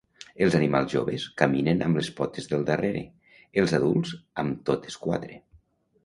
Els animals joves caminen amb les potes del darrere, els adults amb totes quatre.